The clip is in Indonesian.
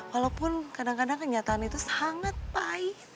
walaupun kadang kadang kenyataan itu sangat pahit